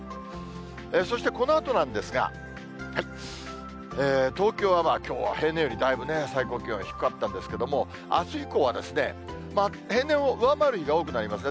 そしてこのあとなんですが、東京はきょうは平年よりだいぶ最高気温が低かったんですけども、あす以降は、平年を上回る日が多くなりますね。